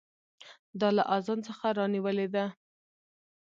دا له اذان څخه رانیولې ده.